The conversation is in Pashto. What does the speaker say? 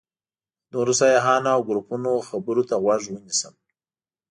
د نورو سیاحانو او ګروپونو خبرو ته غوږ ونیسم.